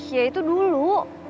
ya itu dulu